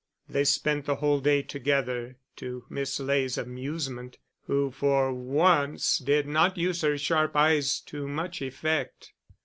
They spent the whole day together to Miss Ley's amusement, who for once did not use her sharp eyes to much effect.